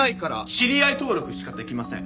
知り合い登録しかできません。